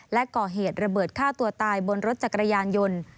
และก่อเหตุระเบิดฆ่าตัวตายบนรถจักรยานยนต์